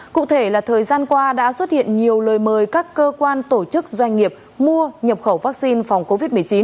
cụ thể là thời gian qua đã xuất hiện nhiều lời mời các cơ quan tổ chức doanh nghiệp mua nhập khẩu vaccine phòng covid một mươi chín